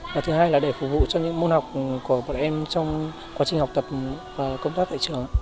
và thứ hai là để phục vụ cho những môn học của bọn em trong quá trình học tập và công tác tại trường